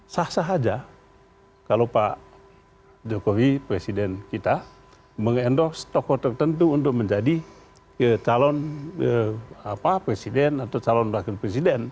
sah sah saja kalau pak jokowi presiden kita mengendorse tokoh tertentu untuk menjadi calon presiden atau calon wakil presiden